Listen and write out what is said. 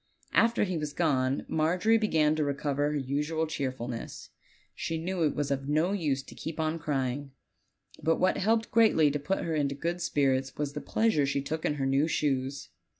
After he was gone Margery began to recover her usual cheerfulness. She knew it was of no use to keep on cry ing; but what helped greatly to put her into good spirits was the pleasure she took in her new shoes.